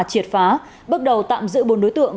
triệt phá bước đầu tạm giữ buôn đối tượng